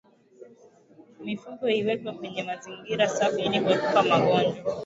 Mifugo iwekwe kwenye mazingira safi ili kuepuka magonjwa